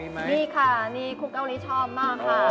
นี่ค่ะนี่คุกเกาหลีชอบมากค่ะ